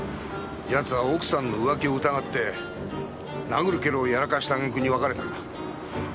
奴は奥さんの浮気を疑って殴る蹴るをやらかしたあげくに別れたんだ。